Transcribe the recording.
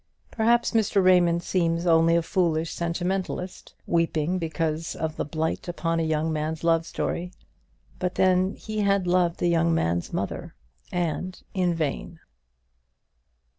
Perhaps Mr. Raymond seems only a foolish sentimentalist, weeping because of the blight upon a young man's love story; but then he had loved the young man's mother, and in vain!